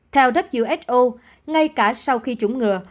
theo who ngay cả sau khi chủng ngừa